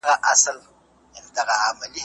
تر څو دوستي ثابته او نتايج حاصل کړل سي.